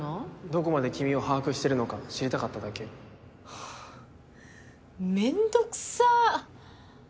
どこまで君を把握してるのか知りたかったはぁめんどくさ！